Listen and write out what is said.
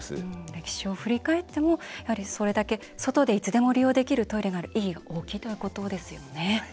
歴史を振り返ってもやはり、それだけ外でいつでも利用できるトイレが意義が大きいということですよね。